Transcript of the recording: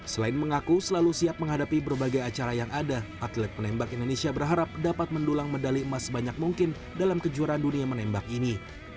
selain mengaku selalu siap menghadapi berbagai acara yang ada atlet penembak indonesia berharap dapat mendulang medali emas sebanyak mungkin dalam kejuaraan dunia menembak ini